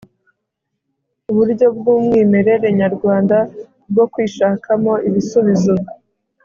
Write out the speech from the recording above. uburyo bw'umwimerere nyarwanda bwo kwishakamo ibisubizo